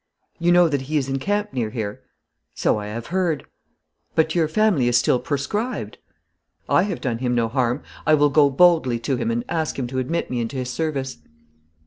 'You know that he is in camp near here?' 'So I have heard.' 'But your family is still proscribed?' 'I have done him no harm. I will go boldly to him and ask him to admit me into his service.'